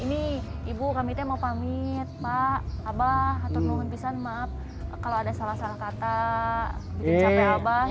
ini ibu kami mau pamit pak abah atau numin pisan maaf kalau ada salah salah kata bikin capek abah